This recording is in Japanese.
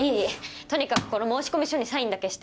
とにかくこの申込書にサインだけして。